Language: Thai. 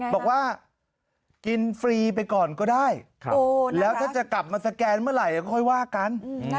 บอกว่ากินฟรีไปก่อนก็ได้แล้วถ้าจะกลับมาสแกนเมื่อไหร่ก็ค่อยว่ากัน